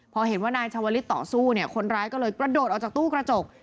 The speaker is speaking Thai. พอเห็นว่านายชาวลิศต่อสู้เนี่ยคนร้ายก็เลยกระโดดออกจากตู้กระจก